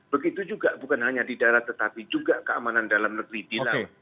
begitu juga bukan hanya di darat tetapi juga keamanan dalam negeri di laut